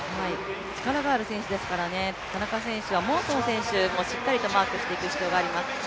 力がある選手ですから田中選手はモンソン選手もしっかりとマークしていく必要があります。